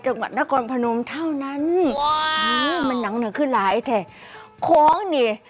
จังหวัดนกรพนมเท่านั้นว้าวมันน้ำหนักขึ้นหลายแต่ของนี่